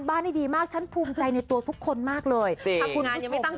แต่ปกติเนี่ยเค้าจุดธูปในเลขธูปแบบเนี่ยมันต้องมี๓ตัว